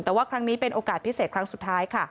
แต่ว่าครั้งนี้เป็นโอกาสพิเศษครั้งสุดท้ายค่ะ